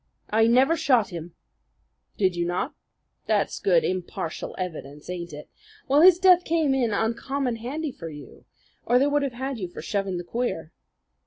"I never shot him." "Did you not? That's good impartial evidence, ain't it? Well, his death came in uncommon handy for you, or they would have had you for shoving the queer.